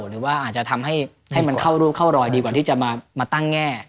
หรือว่าอาจจะทำให้มันเข้ารูปเข้ารอยดีกว่าที่จะมาตั้งแง่